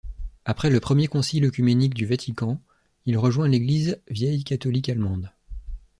Après le premier concile œcuménique du Vatican, il rejoint l'Église vieille-catholique allemande.